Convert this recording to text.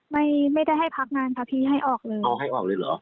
ไม่ได้ให้พักงานค่ะพี่ให้ออกเลยเอาให้ออกเลยเหรอ